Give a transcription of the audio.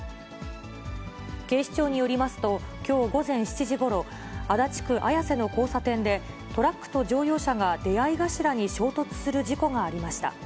警視庁によりますと、きょう午前７時ごろ、足立区綾瀬の交差点で、トラックと乗用車が出会い頭に衝突する事故がありました。